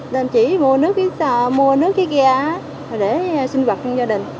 nên chỉ mua nước cái kia để sinh hoạt trong gia đình